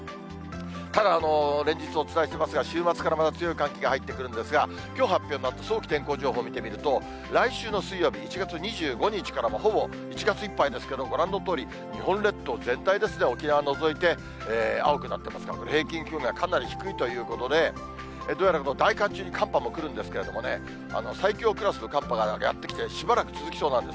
ただ連日お伝えしていますが、週末からまた強い寒気が入ってくるんですが、きょう発表になった早期天候情報見てみますと、来週の水曜日、１月２５日からほぼ１月いっぱいですけれども、ご覧のとおり、日本列島全体ですね、沖縄除いて、青くなってますから、平均気温がかなり低いということで、どうやら大寒中に寒波も来るんですけどもね、最強クラスの寒波がやって来て、しばらく続きそうなんです。